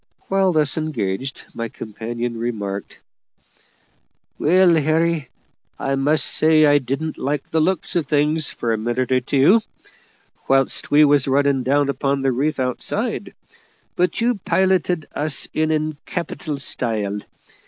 Whilst thus engaged, my companion remarked, "Well, Harry, I must say I didn't like the looks of things, for a minute or two, whilst we was running down upon the reef outside; but you piloted us in in capital style.